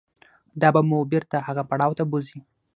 دا به مو بېرته هغه پړاو ته بوځي.